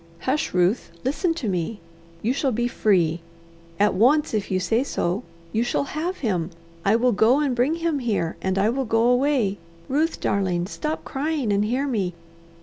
Hush, Ruth, listen to me! You shall be free! At once, if you say so! You shall have him! I will go and bring him here, and I will go away. Ruth, darling, stop crying and hear me.